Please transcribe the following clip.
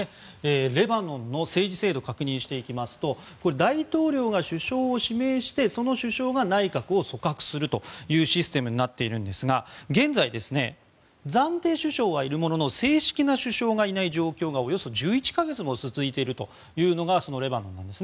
レバノンの政治制度ですが大統領が首相を指名してその首相が内閣を組閣するというシステムになっているんですが現在、暫定首相がいるものの正式な首相がいない状態がおよそ１１か月も続いているというのがレバノンです。